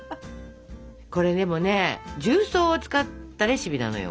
これでもね重曹を使ったレシピなのよ。